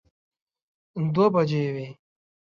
دوه بجې وې.